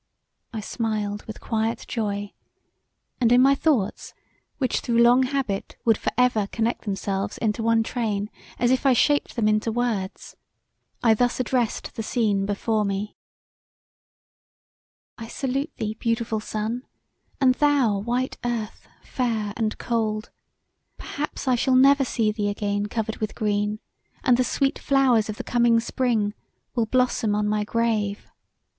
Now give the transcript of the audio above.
I smiled with quiet joy; and in my thoughts, which through long habit would for ever connect themselves into one train, as if I shaped them into words, I thus addressed the scene before me: "I salute thee, beautiful Sun, and thou, white Earth, fair and cold! Perhaps I shall never see thee again covered with green, and the sweet flowers of the coming spring will blossom on my grave.